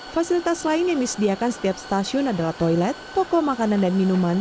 fasilitas lain yang disediakan setiap stasiun adalah toilet toko makanan dan minuman